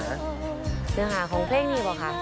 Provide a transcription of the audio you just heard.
เนื้อหาของเพลงนี้บอกค่ะ